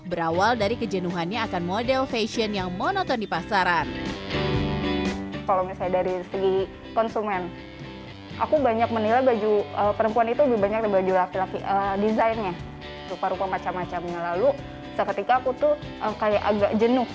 berawal dari kejenuhannya akan model fashion yang monoton di pasaran